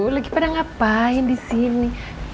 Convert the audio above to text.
lagi pada ngapain disini